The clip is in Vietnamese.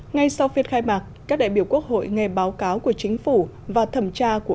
ngay sau phiên khai mạc các đại biểu quốc hội nghe báo cáo của chính phủ và thẩm tra của